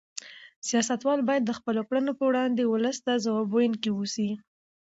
سیاستوال باید د خپلو کړنو په وړاندې ولس ته ځواب ویونکي اوسي.